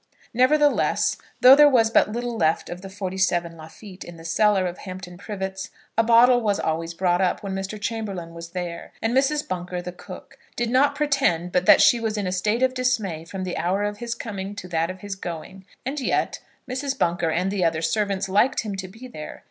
Nevertheless, though there was but little left of the '47 Lafitte in the cellar of Hampton Privets, a bottle was always brought up when Mr. Chamberlaine was there, and Mrs. Bunker, the cook, did not pretend but that she was in a state of dismay from the hour of his coming to that of his going. And yet, Mrs. Bunker and the other servants liked him to be there.